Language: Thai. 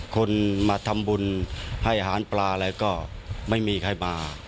คนมาทำบุญให้อาหารปลาอะไรก็ไม่มีใครมา